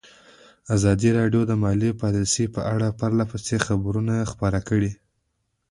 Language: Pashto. ازادي راډیو د مالي پالیسي په اړه پرله پسې خبرونه خپاره کړي.